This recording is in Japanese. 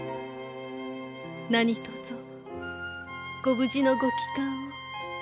何とぞご無事のご帰還を。